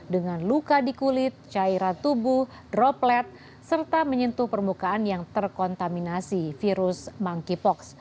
dengan luka di kulit cairan tubuh droplet serta menyentuh permukaan yang terkontaminasi virus monkeypox